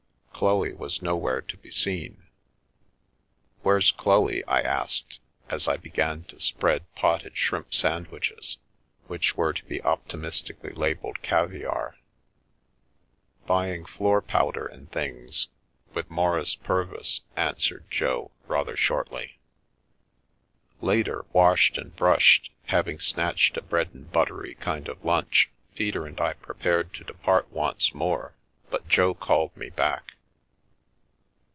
Chloe was nowhere to be seen. " Where's Chloe ?" I asked, as I began to spread potted shrimp sandwiches, which were to be optimistic ally labelled "caviare." " Buying floor powder and things — with Maurice Pur vis," answered Jo, rather shortly. Later, washed and brushed, having snatched a bread and buttery kind of lunch, Peter and I prepared to de part once more, but Jo called me back.